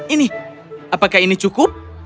ini apakah ini cukup